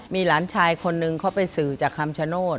มีหลานชายคนนึงเขาไปสื่อจากคำชโนธ